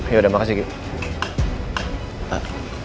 yaudah makasih kiki